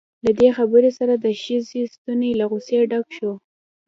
له دې خبرو سره د ښځې ستونی له غصې ډک شو.